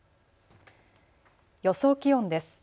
予想気温です。